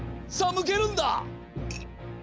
さあむけるんだ！